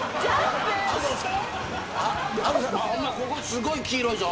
ここ、すごい黄色いぞ。